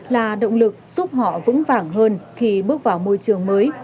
là động lực giúp họ vững vàng hơn khi bước vào môi trường mới